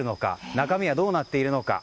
中身はどうなっているのか。